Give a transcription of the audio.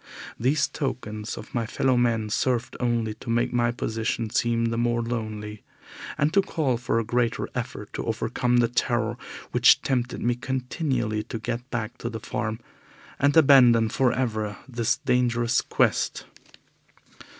These tokens of my fellow men served only to make my own position seem the more lonely, and to call for a greater effort to overcome the terror which tempted me continually to get back to the farm, and abandon for ever this dangerous quest.